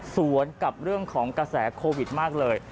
สวนกับเรื่องของกระแสโควิดมากเลย